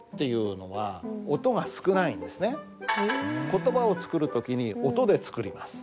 言葉を作る時に音で作ります。